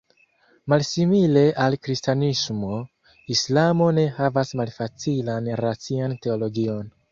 Malsimile al kristanismo, islamo ne havas malfacilan racian teologion.